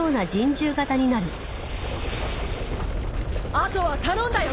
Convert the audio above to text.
あとは頼んだよ！